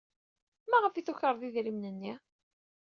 Maɣef ay tukred idrimen-nni?